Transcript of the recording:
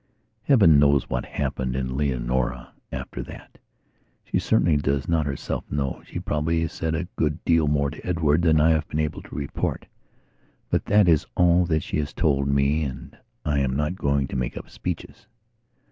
Heaven knows what happened in Leonora after that. She certainly does not herself know. She probably said a good deal more to Edward than I have been able to report; but that is all that she has told me and I am not going to make up speeches.